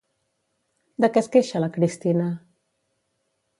De què es queixa la Cristina?